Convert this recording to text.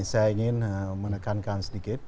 saya ingin menekankan sedikit